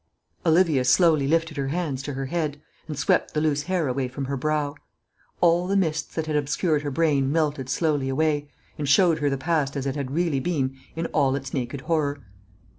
Olivia slowly lifted her hands to her head, and swept the loose hair away from her brow. All the mists that had obscured her brain melted slowly away, and showed her the past as it had really been in all its naked horror.